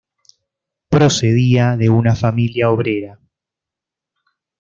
Procedía de una familia obrera.